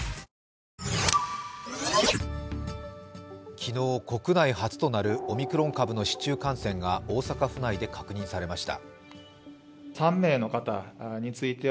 昨日、国内初となったオミクロン株の市中感染が大阪で確認されました。